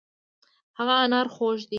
هغه انار خوږ دی.